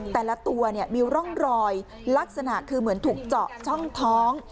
แต่ละตัวมีร่องรอยลักษณะคือเหมือนถูกเจาะช่องท้อง